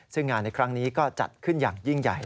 ซึ่งงานในครั้งนี้ก็จัดขึ้นอย่างยิ่งใหญ่